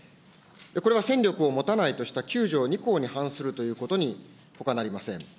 これは戦力を持たないとした９条２項に反するということにほかなりません。